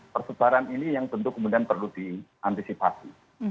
persebaran ini yang tentu kemudian perlu diantisipasi